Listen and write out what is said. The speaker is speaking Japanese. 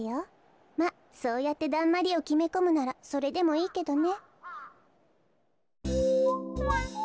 まっそうやってだんまりをきめこむならそれでもいいけどね。